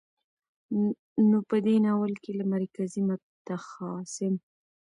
نو په دې ناول کې له مرکزي، متخاصم،